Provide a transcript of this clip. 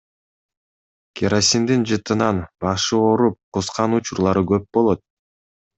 Керосиндин жытынан башы ооруп, кускан учурлары көп болот.